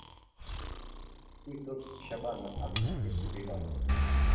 Tuitos shabana ak Kcb karon